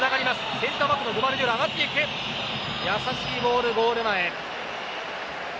優しいボール、ゴール前。